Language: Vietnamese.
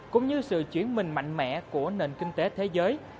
cũng như sự chuyển mình mạnh mẽ của nền kinh tế thế giới